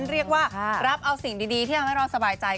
เรียกว่ารับเอาสิ่งดีที่ทำให้เราสบายใจ